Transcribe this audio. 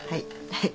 はい。